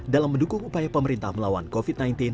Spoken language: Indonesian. dalam mendukung upaya pemerintah melawan covid sembilan belas